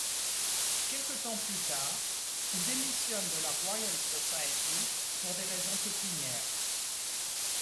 Quelque temps plus tard, il démissionne de la Royal Society pour des raisons pécuniaires.